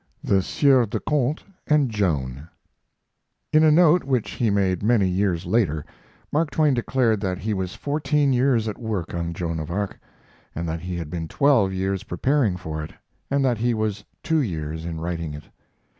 THE SIEUR DE CONTE AND JOAN In a note which he made many years later Mark Twain declared that he was fourteen years at work on Joan of Arc; that he had been twelve years preparing for it, and that he was two years in writing it.